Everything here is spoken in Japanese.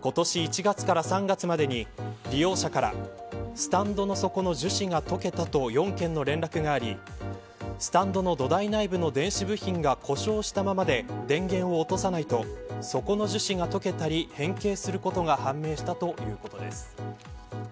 今年１月から３月までに利用者からスタンドの底の樹脂が溶けたとの４件の連絡がありスタンドの土台内部の電子部品が故障したままで電源を落とさないとそこの樹脂が溶けたり変形することが判明したということです。